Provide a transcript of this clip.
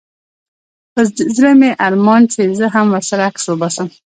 په زړه مي ارمان چي زه هم ورسره عکس وباسم